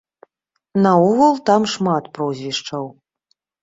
Наогул там шмат прозвішчаў.